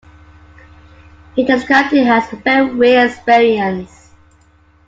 He described it as a very weird experience.